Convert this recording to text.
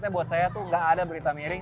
buat saya tuh gak ada berita miring